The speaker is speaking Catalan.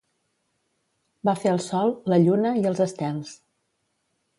Va fer el sol, la lluna i els estels.